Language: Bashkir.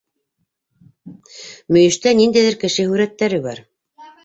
Мөйөштә ниндәйҙер кеше һүрәттәре бар.